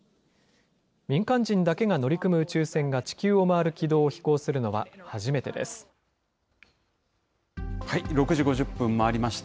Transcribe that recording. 民間人だけが乗り組む宇宙船が地球を回る軌道を飛行するのは初め６時５０分を回りました。